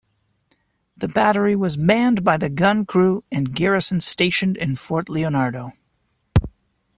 The battery was manned by the gun crew and garrison stationed in Fort Leonardo.